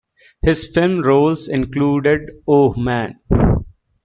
His film roles included Oh, Men!